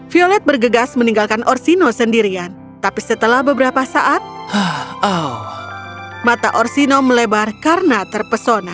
violet bergegas meninggalkan orsino sendirian tapi setelah beberapa saat mata orsino melebar karena terpesona